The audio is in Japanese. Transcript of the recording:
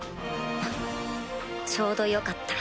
ちょうどよかった。